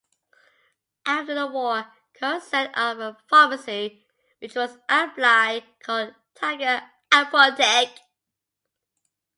After the war, Carius set up a pharmacy which was aptly called "Tiger Apotheke".